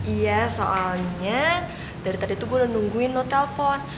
iya soalnya dari tadi gua udah nungguin lo telfon